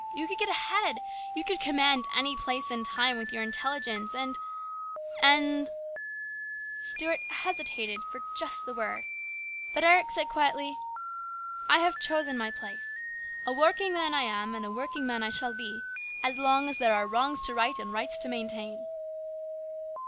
You could get ahead ; you could command any place in time with your intelligence and and " Stuart hesitated for just the word, but Eric said quietly :" I have chosen my place. A working man I am, and a working man I shall be, as long as there are wrongs to right and rights to maintain."